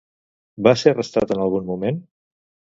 Va ser arrestat en algun moment?